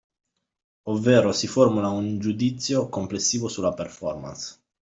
Ovvero si formula un “giudizio” complessivo sulla performance